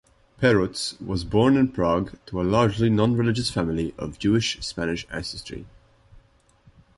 Perutz was born in Prague to a largely non-religious family of Jewish-Spanish ancestry.